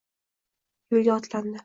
Yo`lga otlandi